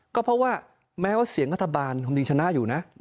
ก็เพราะว่าแม้ว่าเสียงรัฐบาลคงยังชนะอยู่นะ